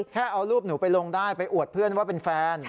แค่เอารูปหนูไปลงได้ไปอวดเพื่อนว่าเป็นแฟน